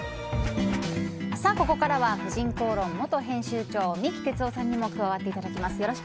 ここからは「婦人公論」元編集長三木哲男さんにも加わっていただきます。